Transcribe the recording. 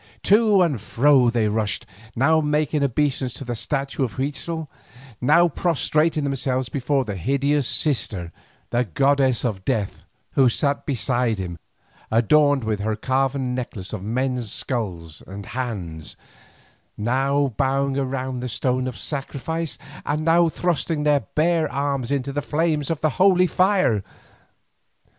To and fro they rushed, now making obeisance to the statue of Huitzel, now prostrating themselves before his hideous sister, the goddess of Death, who sat beside him adorned with her carven necklace of men's skulls and hands, now bowing around the stone of sacrifice, and now thrusting their bare arms into the flames of the holy fire.